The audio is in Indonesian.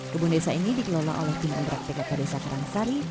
kebun desa ini dikelola oleh tim indrak pkk desa karangsari